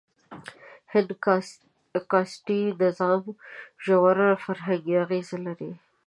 هند کاسټي نظام ژور فرهنګي اغېز لري.